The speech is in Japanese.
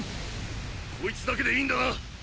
こいつだけで良いんだな。